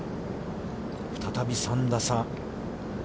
再び３打差。